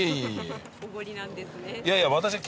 いやいや私が。